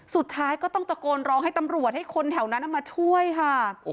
สุดท้ายก็ต้องตะโกนร้องให้ตำรวจให้คนแถวนั้นมาช่วยค่ะ